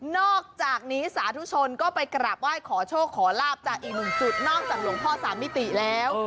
นอกจากนี้สาธุชนก็ไปกราบไหว้ขอโชคขอลาบจากอีกหนึ่งจุดนอกจากหลวงพ่อสามมิติแล้ว